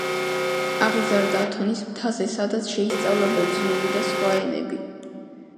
აღიზარდა ათონის მთაზე, სადაც შეისწავლა ბერძნული და სხვა ენები.